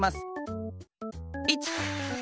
１！